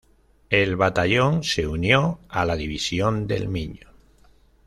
El batallón se unió a la División del Miño.